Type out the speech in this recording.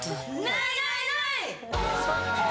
ない、ない、ない！